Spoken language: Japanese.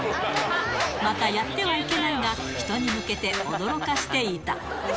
また、やってはいけないが、人に向けて驚かせていた。